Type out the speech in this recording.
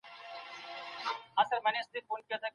د فرد توپیرون د ټولني په هڅو کي نورو علمونو ته اړتیا لري.